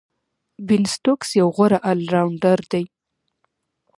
بین سټوکس یو غوره آل راونډر دئ.